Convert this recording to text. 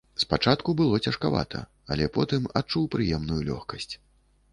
Спачатку было цяжкавата, але потым адчуў прыемную лёгкасць.